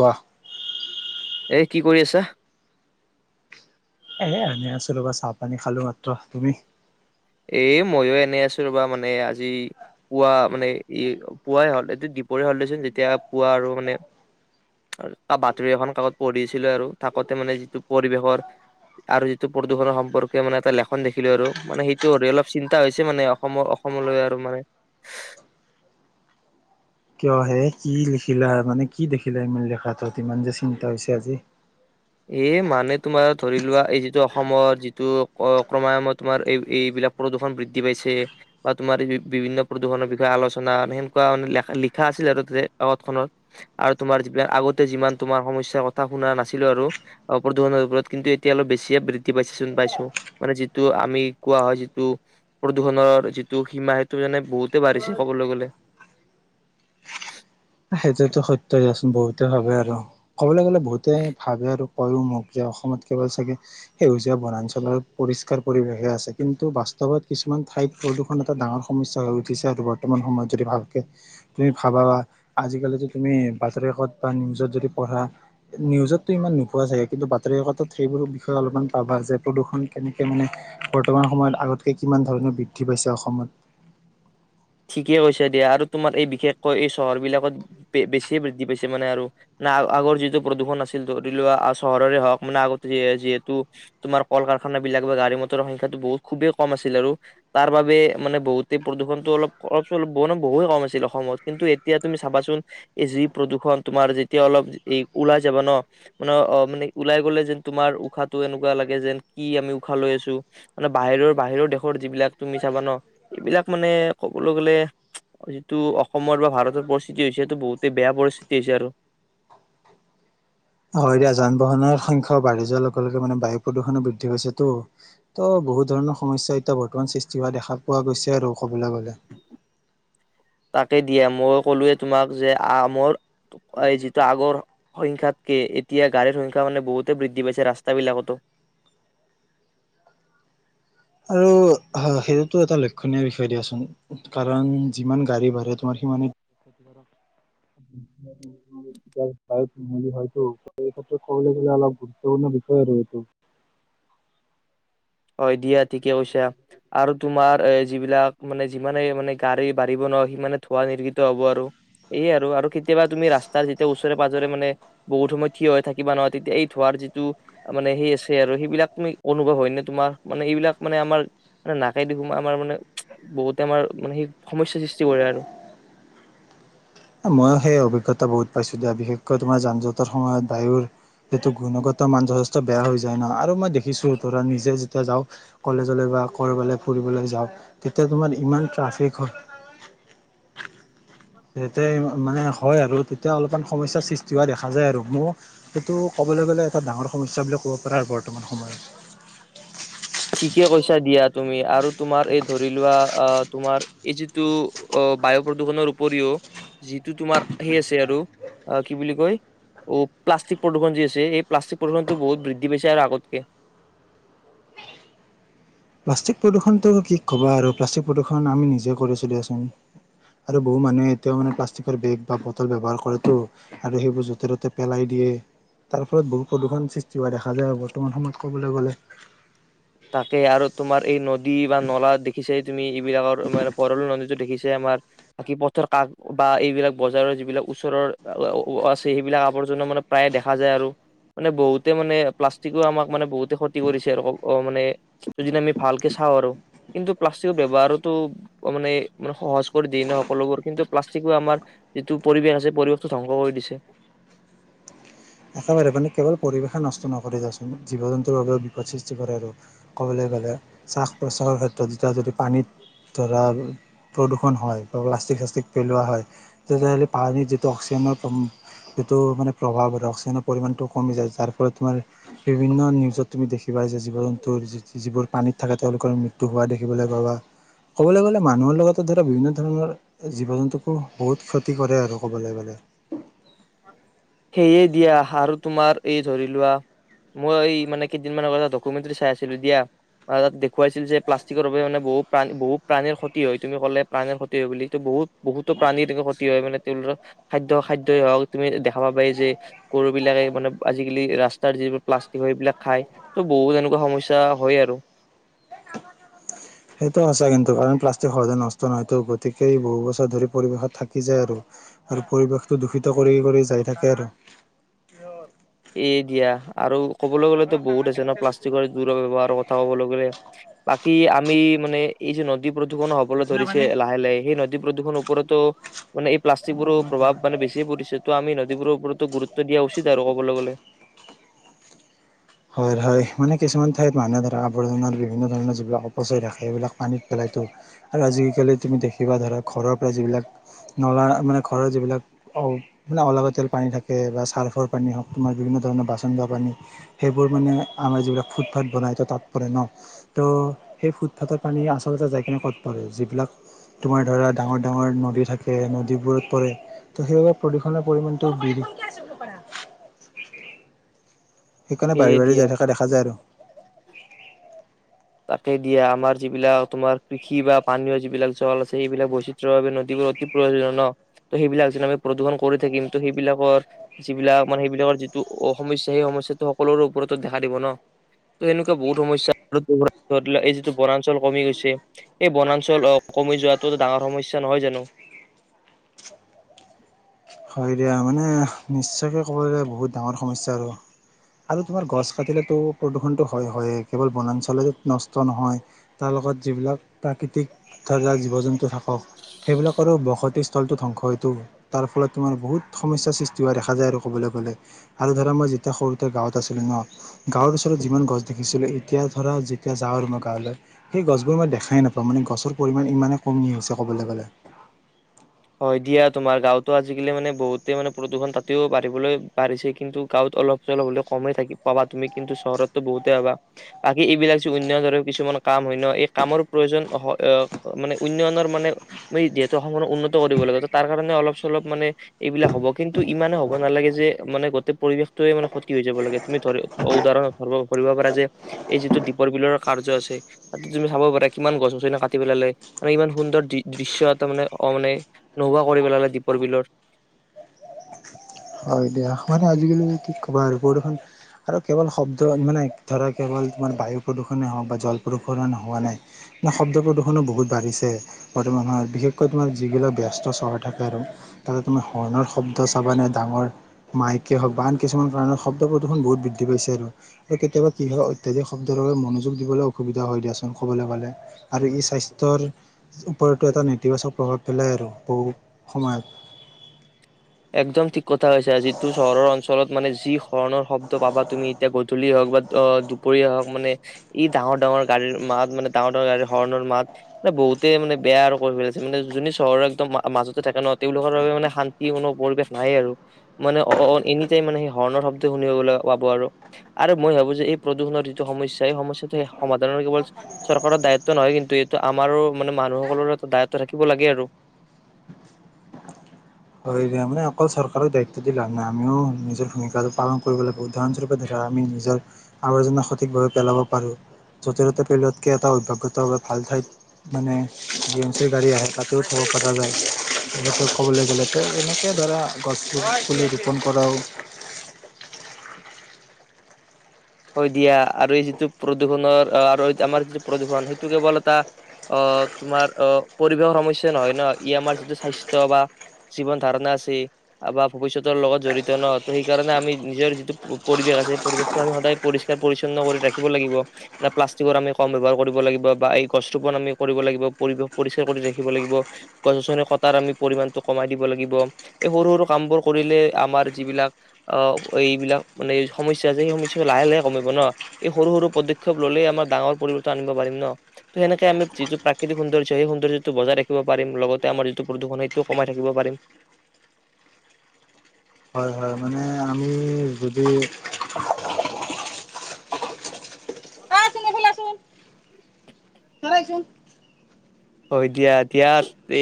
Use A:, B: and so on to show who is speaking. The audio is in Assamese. A: কোৱা।
B: এ কি কৰি আছা?
A: এয়ে এনে আছো ৰ'বা চাহপানী খালো মাত্ৰ। তুমি?
B: এ' ময়ো এনে আছো ৰ'বা মানে আজি, পুৱা মানে, ই পুৱাই হ'ল এইটো দীপৰ হ'ল দেচোন যেতিয়া পুৱা আৰু মানে বাতৰি এখন কাকত পঢ়ি আছিলোঁ আৰু থাকোতে মানে যিটো পৰিৱেশৰ, আৰু যিটো প্ৰদূষণৰ সম্পৰ্কে মানে এটা লেখন দেখিলোঁ আৰু মানে সেই টো অৰি অলপ চিন্তা হৈছে মানে অসমৰ অসমলৈ আৰু মানে
A: কিয় হে কি লিখিলা মানে কি দেখিলা ইমান লেখাটোত ইমান যে চিন্তা হৈছে আজি।
B: এ মানে তোমাৰ ধৰি লোৱা। এই যিটো অসমৰ যিটো অ' ক্ৰময়ামত তোমাৰ এই এইবিলাক প্ৰদূষণ বৃদ্ধি পাইছে, বা তোমাৰ বি বিভিন্ন প্ৰদূৰণৰ বিষয়ে আলচনা সেনকুৱা মানে লেখা লিখা আছিলে আৰু তাতে কাৱত খনত, আৰু তোমাৰ যিবিলাক আগতে যিমান তোমাৰ সমস্যাৰ কথা শুনা নাছিলো। আৰু প্ৰদূৰণৰ ওপৰত কিন্তু এতিয়া অলপ বেছিয়ে বৃদ্ধি পাইছে চোন পাইছো, মানে যিটো আমি কোৱা হয় যিটো প্ৰদূষণৰ যিটো সীমা সেইটো যেনে বহুতে বাঢ়িছে কবলৈ গ'লে।
A: সেইটোতো সত্য দিয়াচোন বহুতে ভাবে আৰু, কবলৈ গ'লে বহুতে ভাবে আৰু কয়ও মোক যে অসমত কেৱল চাগে সেউজীয়া বনাঞ্চলৰ পৰিষ্কাৰ পৰিৱেশহে আছে। কিন্তু বাস্তৱত কিছুমান ঠাইত প্ৰদূষণ এটা ডাঙৰ সমস্যা হৈ উঠিছে আৰু বৰ্তমান সময়ত যদি ভালকে, তুমি ভাবা বা। আজিকালি যে তুমি বাতৰিকত বা নিউজত যদি পঢ়া, নিউজতটো ইমান নোপোৱা চাগে কিন্তু বাতৰি কাকতত সেইবোৰ বিষয়ে অলপমান পাবা যে, প্ৰদূষণ কেনেকে মানে, বৰ্তমান সময়ত আগতকে কিমান ধৰণে বৃদ্ধি পাইছে অসমত।
B: ঠিকে কৈছা দিয়া আৰু তোমাৰ এই বিশেষকৈ এই চহৰ বিলাকত, বে বেছিয়ে বৃদ্ধি পাইছে মানে আৰু না আ- আগৰ যিটো প্ৰদূষণ আছিল ধৰি লোৱা চহৰৰে হওঁক মানে আগতে যি যিহেতু, তোমাৰ কল কাৰখানা বিলাক বা গাড়ী মটৰৰ সংখ্যাটো বহুত খুবেই কম আছিল আৰু তাৰ বাবে মানে বহুতে প্ৰদূষণটো অলপ অলপ চলপ বহু ন বহুতে কম আছিল অসমত কিন্তু এতিয়া তুমি চাবাচোন, এযি প্ৰদূষণ তোমাৰ যেতিয়া অলপ এ ওলাই যাবা ন? মান অ মানে ওলাই গ'লে যেন তোমাৰ উশাহটো এনেকুৱা লাগে যেন কি আমি উশাহ লৈ আছোঁ মানে বাহিৰৰ বাহিৰৰ দেশৰ যিবিলাক তুমি চাবা ন, এবিলাক মানে ক'বলৈ গ'লে, যিটো অসমৰ বা ভাৰতৰ পৰিস্থিতি হৈছে এটো বহুতেই বেয়া পৰিস্থিতি হৈছে আৰু।
A: হয় দিয়া যান বাহনৰ সংখ্যাও বাঢ়ি যোৱা লগে লগে মানে বায়ু প্ৰদূষণো বৃদ্ধি পাইছে টো ত বহুত ধৰণৰ সমস্যা এতিয়া বৰ্তমান সৃষ্টি হোৱা দেখা পোৱা গৈছে আৰু। ক'বলে গ'লে।
B: তাকে দিয়া মই কলোৱে তোমাক যে আমৰ, টো আই যিটো আগৰ সংখ্যাতকে এতিয়া গাড়ীৰ সংখ্যা মানে বহুতে বৃদ্ধি পাইছে ৰাস্তাবিলাকতো।
A: আৰু হয় সেইটোতো এটা লক্ষণীয় বিষয় দিয়াচোন, কাৰণ যিমান গাড়ী বাঢ়ে তোমাৰ সিমানেই [unintelligible] হয়তো এই ক্ষেত্ৰত কবলৈ গ'লে অলপ গুৰুত্বপূৰ্ণ বিষয় আৰু এইটো।
B: হয় দিয়াত ঠিকে কৈছা, আৰু তোমাৰ এ যিবিলাক মানে যিমানে মানে গাড়ী বাঢ়িব নহয় সিমানে ধোৱা নিৰগিত হ'ব আৰু, এইয়ে আৰু আৰু কেতিয়াবা তুমি ৰাস্তাৰ যেতিয়া ওচ ওচৰে পাজৰে মানে, বহুত সময় থিয় হৈ থাকিবা নহয় তেতিয়া এই ধোৱাৰ যিটো মানে সেই আছে আৰু সেইবিলাক তুমি অনুভৱ হয়নে? তোমাৰ মানে এইবিলাক মানে আমাৰ মানে, নাকেদি সোমাই আমাৰ মানে, উমচ বহুতে আমাৰ মানে সেই সমস্যা সৃষ্টি কৰে আৰু।
A: এই ময়ো সেই অভিজ্ঞতা বহুত পাইছোঁ দিয়া বিশেষকৈ তোমাৰ যান জঁটৰ সময়ত বায়ুৰ, যিটো গুণগত মান যথেষ্ট বেয়া হৈ যায় ন? আৰু মই দেখিছোঁ ধৰা নিজে যেতিয়া যাওঁ। কলেজলে বা ক'ৰবালে ফুৰিবলৈ যাওঁ, তেতিয়া তোমাৰ ইমান ট্ৰাফিক হয়। [unintelligible] মানে হয় আৰু তেতিয়া অলপমান সমস্যাৰ সৃষ্টি হোৱা দেখা যায় আৰু, মোও সেইটো ক'বলৈ গ'লে এটা ডাঙৰ সমস্যা বুলি ক'ব পাৰা বৰ্তমান সময়ত।
B: ঠিকে কৈছা দিয়া তুমি আৰু তোমাৰ এই ধৰি লোৱা আ তোমাৰ এই যিটো অ বায়ু প্ৰদূষণৰ উপৰিও, যিটো তোমাৰ সে আছে আৰু, আ কি বুলি কয়? ঔ প্লাষ্টিক প্ৰদূষণ যি আছে এই প্লাষ্টিক প্ৰদূষণতো বহুত বৃদ্ধি পাইছে আৰু আগতকে।
A: প্লাষ্টিক প্ৰদূষণটো কি ক'বা আৰু প্লাষ্টিক প্ৰদূষণ আমি নিজে কৰি দিয়াচোন। আৰু বহু মানুহে এতিয়াও মানে প্লাষ্টিকৰ বেগ বা বটল ব্যৱহাৰ কৰেতো আৰু সেইবোৰ য'তে ত'তে পেলাই দিয়ে তাৰ ফলত বহুত প্ৰদূষণ সৃষ্টি হোৱা দেখা যায়। আৰু বৰ্তমান সময়ত ক'বলৈ গ'লে।
B: তাক আৰু তোমাৰ এই নদী। বা নলা দেখি চাই তুমি। এই বিলাকৰ মানে বৰল নদীতো দেখিছে। আমাৰ বাকী পথৰ কাক বা এইবিলাক বজাৰৰ যিবিলাক ওচৰৰ আছে সেইবিলাক আৱৰ্জনা মানে প্ৰায়ে দেখা যায়। আৰু মানে বহুতে মানে প্লাষ্টিকো আমাক মানে বহুতে ক্ষতি কৰিছে আৰু। অ মানে যদি আমি ভালকে চাওঁ। আৰু কিন্তু প্লাষ্টিকৰ ব্যৱহাৰোতো মানোনে সহজ কৰি দিয়ে। ন সকলোবোৰ কিন্তু প্লাষ্টিকো আমাৰ যিটো পৰিৱেশ আছে। পৰিৱেশটো ধ্বংস কৰি দিছে।
A: একেবাৰে মানে কেৱল পৰিৱেশে নষ্ট নকৰে। যাওঁচোন জীৱ জন্তুৰ বাবেও বিপদ সৃষ্টি কৰে আৰু ক'বলৈ গ'লে শ্বাস প্ৰশ্বাসৰ ক্ষেত্ৰত যেতিয়া যদি পানীত ধৰা প্ৰদূষণ হয়। বা প্লাষ্টিক চাষ্টিক পেলোৱা হয়। তেতিয়াহ'লে পানী যিটো অক্সিজেনৰ যিটো মানে প্ৰভাৱ হয় অ্সি। ৰ পৰিমাণটো কমি যায়। যাৰ ফলত তোমাৰ বিভিন্ন নিউজত তুমি দেখিবা যে জীৱ জন্তুৰ য যিবোৰ পানীত থাকে তেওঁলোকৰ মৃত্যু হোৱা দেখিবলৈ পোৱা। বা ক'বলৈ গ'লে মানুহৰ লগতে ধৰা বিভিন্ন ধৰণৰ জীৱ জন্তুকো বহুত ক্ষতি কৰে আৰু। ক'বলৈ গ'লে।
B: সেয়ে দিয়া আৰু তোমাৰ এই ধৰি লোৱা। মই মানে কেইদিনমান আগতটা ডকুমেণ্টী চাই আছিলো। দিয়া তাত দেখুৱাইছিল যে প্লাষ্টিকৰ বাবে মানে বহু প্ৰ বহুত প্ৰাণীৰ ক্ষতি হয় তুমি ক'লে প্ৰাণীৰ ক্ষতি হয় বুলি বহুত বহুতো প্ৰাণীৰ তেনে ক্ষতি হয়। মানে তেওঁলোকৰ খাদ্য খাদ্যই হওক তুমি দেখাবা পাৰি যে গৰু বিলাকে মানে আজিকালি ৰাস্তাৰ যিবোৰ প্লাষ্টিক হয় সেইবিলাক খায় ত' বহুত এনেকুৱা সমস্যা হয় আৰু।
A: সেইটো সঁচা কিন্তু কাৰণ প্লাষ্টিক সহজায় নষ্ট নহয়তো। গতিকে বহু বছৰ ধৰি পৰিৱেশত থাকি যায়। আৰু আৰু পৰিৱেশটো দূষিত কৰি কৰি যাই থাকে আৰু।
B: এ দিয়া আৰু। ক'বলৈ গলেো বহু আছে ন প্লাষ্টিকৰ দূৰ ব্যৱহাৰৰ কথা ক'বলৈ গ'লে বা। কি আমি মানে এই যে নদী। হ'ব নহয়ণ হ'বলৈ ধৰিছে লাহে লাহে সেইনদী। প্ৰদূষণ ওৰতৰতো। মানে প্লাষ্টিক বোৰৰ প্ৰভাৱ মানেছিয় পৰিছে তটো আমি ন। এইবোৰৰওপৰতো গুৰুত্ব দিয়া উচিত আৰু। ক'বলৈ গ'লে।
A: হয় হয় মানে কিছুমান ঠাইত মানুহে ধৰা আৱৰ্জনাৰ বিভিন্ন ধৰণৰ যিবিলাক অপচয় থাকে। সেইবিলাক পানীত পেলাইতো আৰু আজিকালি তুমি দেখিবা ধৰা ঘৰৰ পৰা যিবিলাক নলা মানে ঘৰৰ যিবিলাক মানে অলাগা তেল পানী থাকে বা চাৰ্ফৰ পানী হওক তোমাৰ বিভিন্ন ধৰণৰ বাচন ধোৱা পানী। সেইবোৰ মানে আমাৰ যিবিলাক ফুটপাথ বনাই তো তাত পৰে ন। ত' সেই ফুটপাথৰ পানী আচলতে যাইকনে ক'ত পৰে যিবিলাক তোমাৰ ধৰা ডাঙৰ ডাঙৰ নদী থাকে নদীবোৰত পৰে ত' সেইবিলাক প্ৰদূষণৰ পৰিমাণটো। সেইকাৰণে
B: সেয়ে
A: বঢি বঢি
B: দিয়া
A: যাই থকা দেখা যায় আৰু।
B: তাকে দিয়া আমাৰ যিবিলাক তোমাৰ কৃষি বা পানীয় যিবিলাক জল আছে। সেইবিলাক বৈচিত্ৰয় ভাৱে নদীবোৰ অতি প্ৰয়োজনীয় ন ত সেইবিলাক য আমি প্ৰদূষণ কৰি থাকিম ত' সেইবিলাকৰ যিবিলাক মানে সেইবিলাকৰ যিটো সমস্যা সেই সমস্যটো সকলোৰে ওপৰতো দেখা দিব ন ত সেনেকুৱা বহুত সমস্য়াা ধৰি লওক এই যিটো বনাঞ্চল কমি গৈছে এই বনাঞ্চল আহ কমি যোৱাটো ডাঙৰ সমস্যা নহয় জানো।
A: হয় দিয়া মানে নিশ্চয়কে ক'বলে বহুত ডাঙৰ সমস্যা আৰু আৰু তোমাৰ গছ কাটিলেতো প্ৰদূৰষণতটো হয়। হয় কেৱল বনাঞ্চলে নষ্ট নহয়। তাৰ লগত যিবিলাক প্ৰাকৃতিক ধাৰা জীৱ জন্তু থাকক সেইবিলাকৰ বসতি সলটো ধ্বংস হয়টো তাৰ ফলত। তোমাৰ বহুত সমস্যাৰ সৃষ্টি হোৱা দেখা যায়। আৰু ক'বলৈ গ'লে আৰু ধৰা মই যেতিয়া সৰুতে গাঁৱত আছিলোঁ। ন গাঁৱৰ ওচৰত যিমান গছ দেখিছিলোঁ। এতিয়া ধৰা যেতিয়া যাওঁ আৰু মই গাঁৱলৈ সেই গছবোৰ মই দেখাই নাপাওঁ মানে গছৰ পৰিমাণ ইমানেই কমি আহি হৈছে ক'বলৈ গ'লে।
B: হয় দিয়া তোমাৰ গাঁওতো আজিকালি মানে বহুতে মানে প্ৰদূষণ তাতেও বাঢ়িবলৈ বাঢ়িছে। কিন্তু গাঁৱত অলপ চলপ হলে কমেই থাক। পাবা তুমি কিন্তু চহৰতটো বহুতেই হাবা বাকী এইবিলাক যে উন্নয়ন ধৰে কিছুমান কাম হয়। ন এই কামৰ প্ৰয়োজন মানে উন্নয়নৰ মানে যিহেতু অসমৰ উন্ন। কৰিব লাগে তাৰ কাৰণে অলপ চলপ মানে এইবিলাক হব কিন্তু ইমানে হ'ব নালাগে। যে মানে গোটেই পৰিৱেশটয়ে মানে ক্ষতি হৈ যাব। লাগে তুমি ধৰি অ উদাহৰণ ধব ধৰিব পাৰা যে এই যিটো দীপৰ বিলৰ কা দিশ্য আছে তাত তুমি চাব পাৰা কিমান গছ গছনা কাটি পেলালে মানে ইমান সুন্দৰ দৃশ্ এটা মানে অ মানে। নোহোৱা কৰি পেলালে দীপৰ বিলৰ।
A: হয় দিয়া মানে আজিকালি কি ক'বা আৰু প্ৰদূষণ আৰু কেৱল শব্দ মানে ধৰা কেৱল তোমাৰ বায়ু প্ৰদূষণেেই হওক বা জল প্ৰদূষণ হোৱা নাই মে শব্দ প্ৰদূষণো বহুত বাঢ়িছে। বৰ্তমান সময়ত বিশেষকৈ তোমাৰ যিবিলাক ব্যস্ত চহৰ থাকে। আৰু তাতে তুমাৰ হৰ্ণৰ শব্দ চাব নে। ডাঙৰ মাইকে হওক বা আন কিছুমান কাৰণত শব্দ প্ৰদূষণ বহুত বৃদ্ধি পাইছে। আৰু কেতিয়াবা কি হয় অত্যাধিক শব্দৰ বাবে মনোযোগ দিবলৈ অসুবিধা হয় দিয়াচোন ক'বলৈ গ'লে আৰু ই স্বাস্থ্যৰ ওপৰতো এটা নেতিবাচক প্ৰভাৱ পেলাই আৰু বহু সময়ত।
B: একদম ঠিক কথা হৈছে। যিটো চহৰৰ অঞ্চলত মানে যি হৰণৰ শব্দ পাবা তুমি এতিয়া গধূলি হওক বা অ দুপৰীয়া হওক মানে ই ডাঙৰ ডাঙৰ গাড়ীৰ মাত মানে ডাঙৰ ডাঙৰ গাড়ীৰ হৰণৰ মাত মানে বহুতে মানে বেয়া আৰু কৰি পেলাইছে মানে যোনে চহৰৰ একদম মাজতে থাকে ন তেওঁলোকৰ বাবে মানে শান্তি ম। পৰিৱেশ নাইেই আৰু মানে অ এনি টাইম মানে সেই হৰ্ণৰ শব্দ শুন পাব। আৰু আৰু মই ভাবো যে এই প্ৰদূষণৰ যিটো সমস্যয়া এই সমস্যাটো সেই সমাধানৰ কেৱল চৰকাৰৰ দায়িত্ব নহয় কিন্তু এইটো আমাৰো মানে মানুহসকলৰ এটা দায়িত্ব থাকিব লাগে আৰু
A: হয় মান অকল চৰকাৰক দায়িত্ব দিলে লাভ নাই। আমিও নিজৰ ভূমিকা পালন কৰিবলৈ উদাহৰণস্বৰূপে ধৰা আমি নিজৰ আৱৰ্জনা সঠিকভাৱে পেলাব পাৰো যতেত পতকে এটা অভ্যাসত ভাল ঠাইত মানে ড এম চিৰ গাড়ী আহে তাতেও থব পৰা যায় ক'বলৈ গ'লে। এনেকে ধৰা গছটো পুলি ৰোপণ কৰাও।
B: হয় দিয়া আৰু এই যিটো প্ৰদূৰ্ষনৰৰ আহ আৰু আমাৰ যিটো প্ৰদূৰ্ষণ সেইটো কেৱল এটা আহ তোমাৰ আহ পৰিৱেশৰ সমস্যা নহয়। ন ই আমাৰ যিটো স্বাস্থ্যয় বা জীৱন ধাৰণা আছে। বা ভৱিষ্যতৰ লগত জড়িত ন ত সেইকাৰণে আমি নিজৰ যিটো পৰিৱেশ আছে পৰিৱেশটো আমি সদায়। কৰি ৰাখিব লাগিব ন প্লাষ্টিকৰ আমি কম ব্যৱহাৰ কৰিব লাগিব। বা এই গছ ৰৰুপন আমি কৰিব লাগিব। পৰিৱেশ পৰিষ্কাৰ কৰি ৰাখিব লাগিব গছ গছনি কটাৰ আমি পৰিমাণটো কমাই দিব লাগিব। এই সৰু সৰু কাম বোৰ কৰিলে আমাৰ যিবিলাক আহ এইবিলাক মানে সমসস্যা আছে। সেই সমস্যা লাহে লাহে কমিব ন। এই সৰু সৰু পদক্ষেপ ললে আমাৰ ডাঙৰ পৰিৱৰ্তন আনিব পাৰিম। ন ত সেনেকে আমি যিটো প্ৰাকৃক সৌন্দৰ্য সেই সৌন্দৰ্যটো বজাই ৰাখিব পাৰিম লগতে আমাৰ যিটো প্ৰদূ্ষণ সেইটো কমাই থাকিব পাৰিম।
A: হয় হয় মানে আমি যদি। অ চোন এইফালে চোন
B: [unintelligible]
A: ধৰা এইচোন
B: হয় দিয়া ইয়াতে।